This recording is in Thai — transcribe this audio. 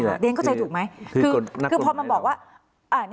เรียนเข้าใจถูกไหมคือพอมันบอกว่า